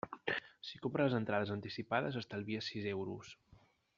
Si compres les entrades anticipades estalvies sis euros.